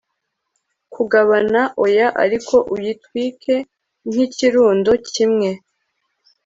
Kugabana Oya Ariko uyitwike nkikirundo kimwe